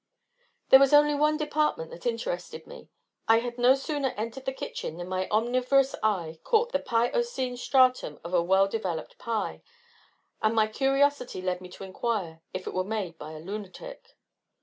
There was only one department that interested me. I had no sooner entered the kitchen than my omnivorous eye caught the pie ocine stratum of a well developed pie, and my curiosity led me to inquire if it were made by a lunatic.